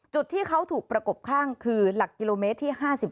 จุดที่เขาถูกประกบข้างคือหลักกิโลเมตรที่๕๔